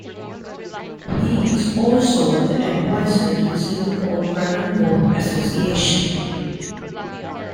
He is also the advisor to the Singapore Dragon Boat Association.